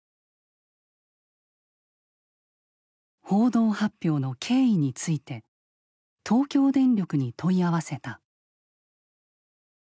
報道発表の経緯について東京電力に問い合わせた。